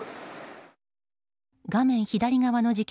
画面左側の事件